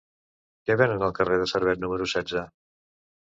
Què venen al carrer de Servet número setze?